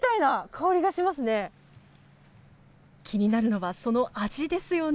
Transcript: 気になるのはその味ですよね。